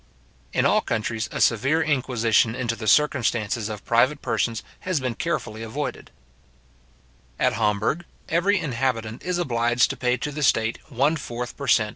In all countries, a severe inquisition into the circumstances of private persons has been carefully avoided. At Hamburg, {Memoires concernant les Droits, tom. i, p.74} every inhabitant is obliged to pay to the state one fourth per cent.